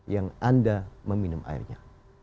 yang anda meminum airnya